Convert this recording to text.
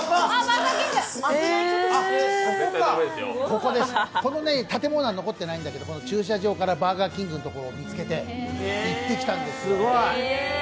この建物は残ってないんだけれども、駐車場からバーガー・キングのところ見つけて行ってきたんです。